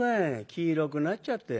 黄色くなっちゃって。